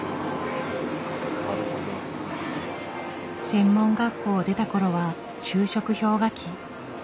専門学校を出たころは就職氷河期。